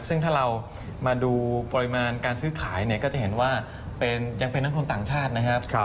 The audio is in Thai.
ซึ่งถ้าเรามาดูปริมาณการซื้อขายเนี่ยก็จะเห็นว่ายังเป็นนักทุนต่างชาตินะครับ